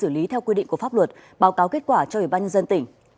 vì vậy quý vị cần hết sức cảnh sát